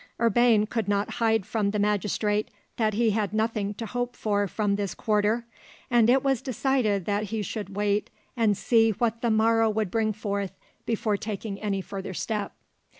Urbain could not hide from the magistrate that he had nothing to hope for from this quarter, and it was decided that he should wait and see what the morrow would bring forth, before taking any further step.